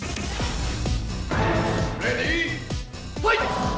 レディーファイト！